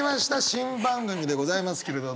新番組でございますけれど。